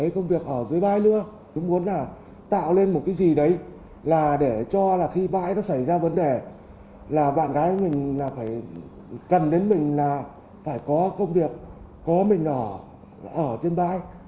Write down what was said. công việc ở dưới bãi nữa tôi muốn là tạo lên một cái gì đấy là để cho là khi bãi nó xảy ra vấn đề là bạn gái mình là phải cần đến mình là phải có công việc có mình là ở trên bãi